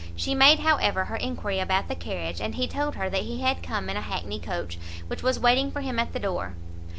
She made, however, her enquiry about the carriage, and he told her that he had come in a hackney coach, which was waiting for him at the door.